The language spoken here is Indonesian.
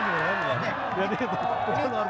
tentu saja sudah cukup ini